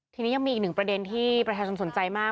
ทีนี้ยังมีอีกหนึ่งประเด็นที่ประชาชนสนใจมาก